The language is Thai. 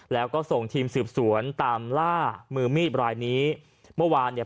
แล้วก็ส่งทีมสืบสวนตามล่ามือมีดรายนี้เมื่อวานเนี่ย